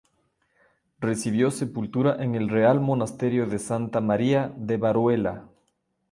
Recibió sepultura en el Real Monasterio de Santa María de Veruela.